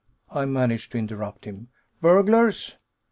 I managed to interrupt him. "Burglars?"